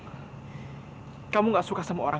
aku gak ketemu dengan kamu dulu aku pernah bilang